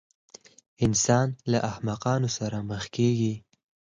انسان له احمقانو سره مخ کېږي.